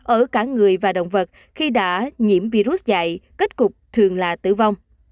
ở cả người và động vật khi đã nhiễm virus dạy kết cục thường là tử vong